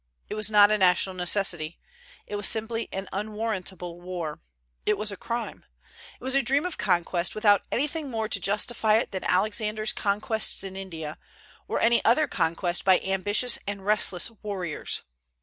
It was not a national necessity. It was simply an unwarrantable war: it was a crime; it was a dream of conquest, without anything more to justify it than Alexander's conquests in India, or any other conquest by ambitious and restless warriors.